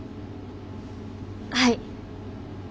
はい。